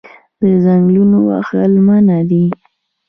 د ځنګلونو وهل منع دي